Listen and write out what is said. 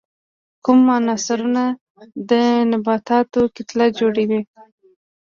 کوم عنصرونه د نباتاتو کتله جوړي؟